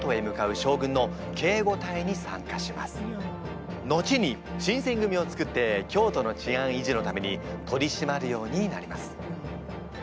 京都へ向かうのちに新選組を作って京都の治安維持のために取りしまるようになります。